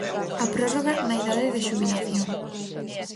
A prórroga na idade de xubilación.